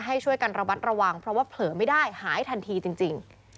ให้ช่วยกันระมัดระวังเพราะว่าเผลอไม่ได้หายทันทีจริง